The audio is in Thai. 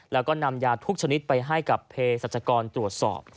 แล้วก็นำยาทุกชนิดไปให้กับเพศรัชกรตรวจสอบ